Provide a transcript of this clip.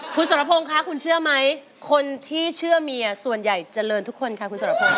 คุณสรพงศ์คะคุณเชื่อไหมคนที่เชื่อเมียส่วนใหญ่เจริญทุกคนค่ะคุณสรพงศ